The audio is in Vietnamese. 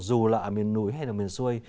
dù là ở miền núi hay là miền xuôi